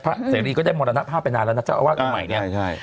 เสรีก็ได้มรณภาพไปนานแล้วนะเจ้าอาวาสองค์ใหม่เนี่ย